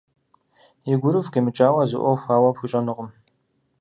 И гурыфӏ къимыкӏауэ зы ӏуэху ауэ пхуищӏэнукъым.